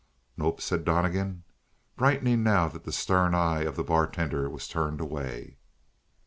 "Nope," said Donnegan, brightening now that the stern eye, of the bartender was turned away.